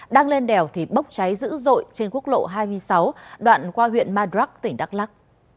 đang lên đèo thì bốc cháy dữ dội trên quốc lộ hai mươi sáu đoạn qua huyện madrak tỉnh đắk lắc